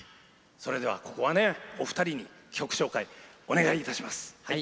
ここはお二人に曲紹介、お願いいたします。